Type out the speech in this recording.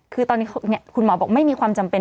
คือตอนนี้คุณหมอบอกไม่มีความจำเป็น